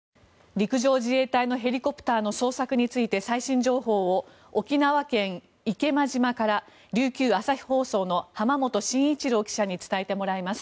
陸上自衛隊のヘリコプターの捜索について最新情報を沖縄県・池間島から琉球朝日放送の濱元晋一郎記者に伝えてもらいます。